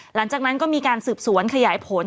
หลังจากนั้นก็มีการสืบสวนขยายผล